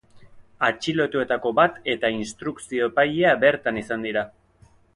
Atxilotuetako bat eta instrukzio-epailea bertan izan dira.